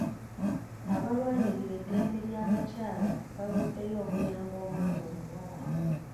Abalwanirira eddembe ly'abakyala bavuddeyo okuyamba omwana omuwala.